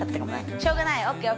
「しょうがないＯＫＯＫ